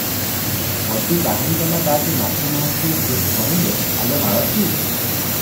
ପଦୀ ବାହାରି ଗଲା ବାଦେ ମାଧ ମହାନ୍ତିଏ ଝିଅକୁ କହିଲେ, "ଆଲୋ ମାଳତୀ!